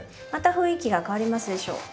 また雰囲気が変わりますでしょ？